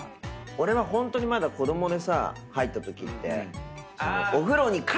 俺はホントにまだ子供でさ入ったときって。